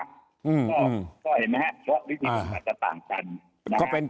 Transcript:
ก็เห็นไหมฮะเพราะวิธีมันจะต่างกัน